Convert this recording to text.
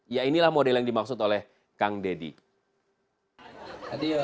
ya inilah model yang dimaksud oleh kang deddy